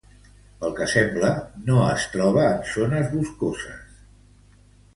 Pel que sembla, no es troba en zones boscoses.